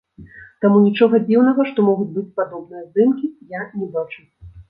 Таму нічога дзіўнага, што могуць быць падобныя здымкі, я не бачу.